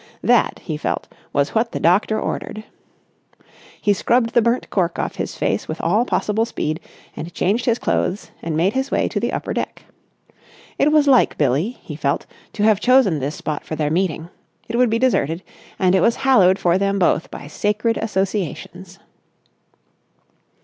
That, he felt, was what the doctor ordered. He scrubbed the burnt cork off his face with all possible speed and changed his clothes and made his way to the upper deck. It was like Billie, he felt, to have chosen this spot for their meeting. It would be deserted and it was hallowed for them both by sacred associations.